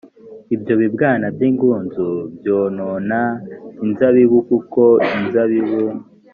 ibyo bibwana by ingunzu byonona inzabibu kuko inzabibu